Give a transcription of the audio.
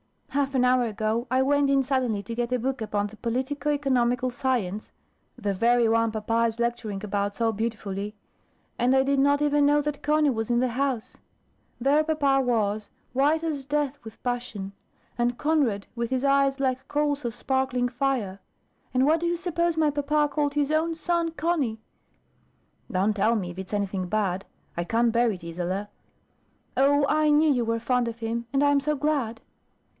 Half an hour ago, I went in suddenly to get a book upon the politico economical science, the very one papa is lecturing about so beautifully; and I did not even know that Conny was in the house. There papa was, white as death with passion; and Conrad with his eyes like coals of sparkling fire; and what do you suppose my papa called his own son Conny?" "Don't tell me, if it's anything bad. I can't bear it, Isola." "Oh, I knew you were fond of him, and I am so glad!"